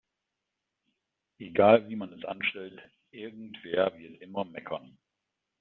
Egal wie man es anstellt, irgendwer wird immer meckern.